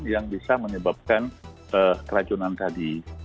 yang bisa menyebabkan keracunan tadi